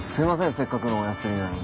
せっかくのお休みなのに。